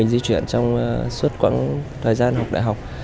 di chuyển trong suốt quãng thời gian học đại học